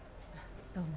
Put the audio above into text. どうも。